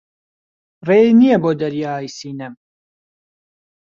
ڕێی نییە بۆ دەریای سینەم